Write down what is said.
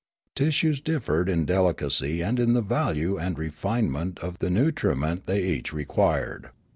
Tissues differed in delicacy and in the value and refinement of the nutri ment they each required.